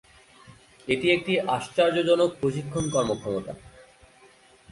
এটি একটি আশ্চর্যজনক প্রশিক্ষণ কর্মক্ষমতা।